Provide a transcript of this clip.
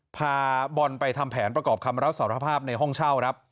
พาบอลไปทำแผนประกอบคำรับสารภาพในห้องเช่าครับ